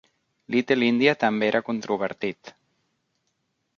"Little India" també era controvertit.